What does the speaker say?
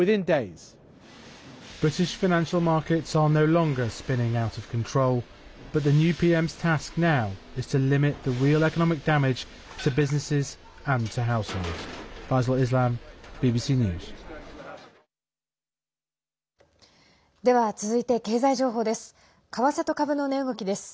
では続いて経済情報です。